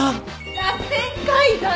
らせん階段！